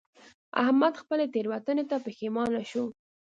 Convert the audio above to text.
احمد خپلې تېروتنې ته پښېمانه شو.